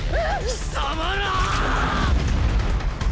貴様ら！